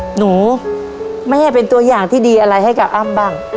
หนูไม่ให้เป็นตัวอย่างที่ดีอะไรให้กับอ้ำบ้าง